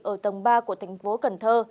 ở tầng ba của thành phố cần thơ